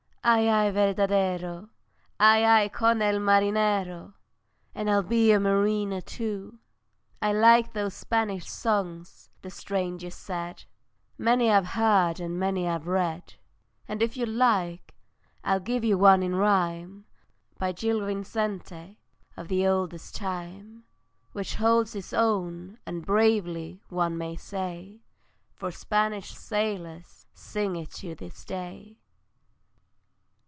Ay, ay, verdadero, Ay, ay, con el marinero, And I'll be a mariner too! "I like those Spanish songs," the stranger said: "Many I've heard and many I have read, And if you like I'll give you one in rhyme, By Gil Vincente of the oldest time, Which holds its own, and bravely, one may say, For Spanish sailors sing it to this day."